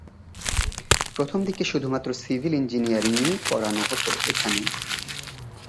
প্রথম দিকে শুধুমাত্র সিভিল ইঞ্জিনিয়ারিং-ই পড়ানো হত এখানে।